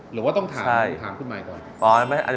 หรือว่าต้องถามขึ้นมาก่อน